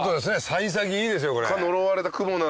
幸先いいですよこれ。